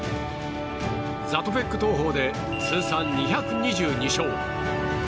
ザトペック投法で通算２２２勝。